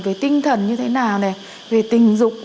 cái tinh thần như thế nào này về tình dục